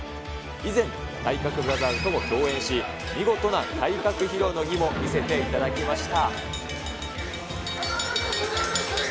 以前、体格ブラザーズとも共演し、見事な体格披露の儀も見せていただきました。